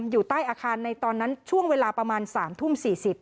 อยู่ใต้อาคารในตอนนั้นช่วงเวลาประมาณ๓ทุ่ม๔๐